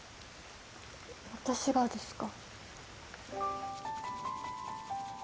私がですか？